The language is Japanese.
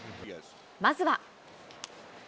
まずは。